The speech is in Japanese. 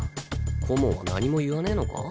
顧問は何も言わねえのか？